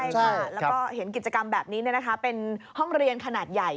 ใช่ค่ะแล้วก็เห็นกิจกรรมแบบนี้เป็นห้องเรียนขนาดใหญ่